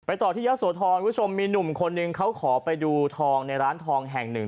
ต่อที่ยะโสธรคุณผู้ชมมีหนุ่มคนหนึ่งเขาขอไปดูทองในร้านทองแห่งหนึ่ง